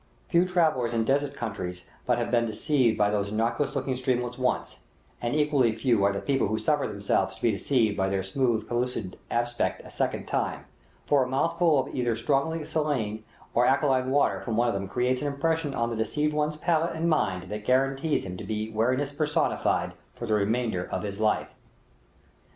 Few travellers in desert countries but have been deceived by these innocuous looking streamlets once, and equally few are the people who suffer themselves to be deceived by their smooth, pellucid aspect a second time; for a mouthful of either strongly saline or alkaline water from one of them creates an impression on the deceived one's palate and his mind that guarantees him to be wariness personified for the remainder of his life.